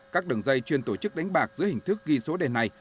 các đường dây chuyên tổ chức đánh bạc dưới hình thức ghi số đề này